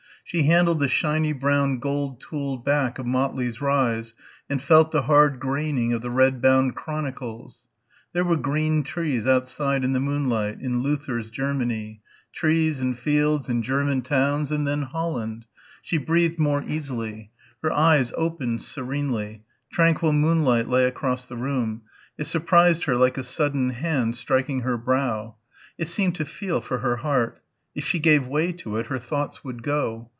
She handled the shiny brown gold tooled back of Motley's Rise and felt the hard graining of the red bound Chronicles.... There were green trees outside in the moonlight ... in Luther's Germany ... trees and fields and German towns and then Holland. She breathed more easily. Her eyes opened serenely. Tranquil moonlight lay across the room. It surprised her like a sudden hand stroking her brow. It seemed to feel for her heart. If she gave way to it her thoughts would go.